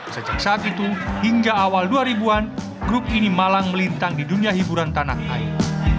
sejak saat itu hingga awal dua ribu an grup ini malang melintang di dunia hiburan tanah air